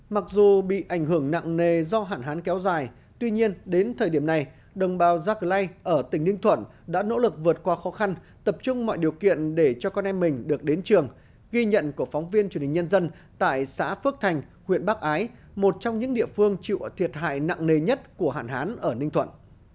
mặc dù bị ảnh hưởng nặng nề do hạn hán kéo dài tuy nhiên đến thời điểm này đồng bào zlay ở tỉnh ninh thuận đã nỗ lực vượt qua khó khăn tập trung mọi điều kiện để cho con em mình được đến trường ghi nhận của phóng viên truyền hình nhân dân tại xã phước thành huyện bắc ái một trong những địa phương chịu thiệt hại nặng nề nhất của hạn hán ở ninh thuận